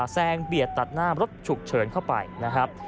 แซงเบียดตัดหน้ารถฉุกเฉินเข้าไปนะครับ